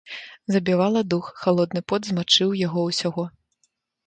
Забівала дух, халодны пот змачыў яго ўсяго.